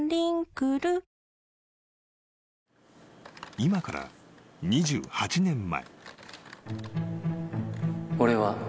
［今から２８年前］